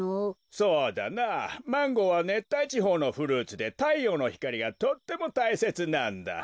そうだなマンゴーはねったいちほうのフルーツでたいようのひかりがとってもたいせつなんだ。